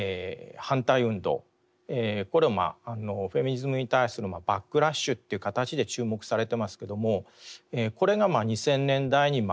これはフェミニズムに対するバックラッシュという形で注目されてますけどもこれが２０００年代に生じてます。